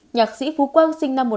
nhạc sĩ phú quang sinh năm một nghìn